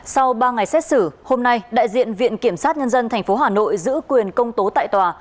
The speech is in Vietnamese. sau ba ngày xét xử hôm nay đại diện viện kiểm sát nhân dân tp hà nội giữ quyền công tố tại tòa